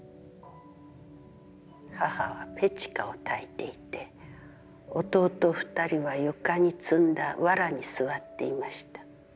母はペチカを焚いていて、弟二人は床に積んだ藁に座っていました。